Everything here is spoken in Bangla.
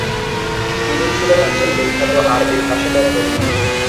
তিনি ছিলেন একজন বিখ্যাত আরবি ভাষাতত্ত্ববিদ।